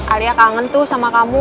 alia kangen tuh sama kamu